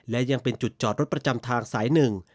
และยังเป็นจุดจอดรถประจำทางสาย๑๑๒๒๕๘๒๕๐๘